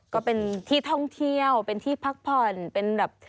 ก็เป็นที่ท่องเที่ยวเป็นที่พักผ่อนเป็นแบบ